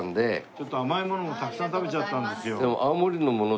ちょっと甘いものもたくさん食べちゃったんですよ。